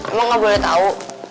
emang gak boleh tahu